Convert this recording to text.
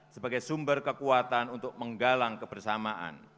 sebagai sumber kekuatan untuk menggalang kebersamaan